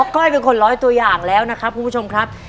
ก้อยเป็นคนล้อยตัวอย่างแล้วนะครับ